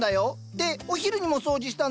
でお昼にも掃除したんだよ。